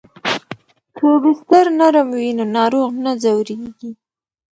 که بستر نرم وي نو ناروغ نه ځورېږي.